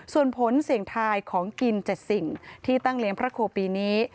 ส่วนผลเสี่ยงทายของกิน๗สิ่งที่ตั้งเลี้ยงพระครูปีนี้